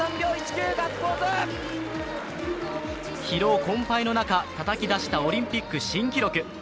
疲労困ぱいの中たたき出したオリンピック新記録。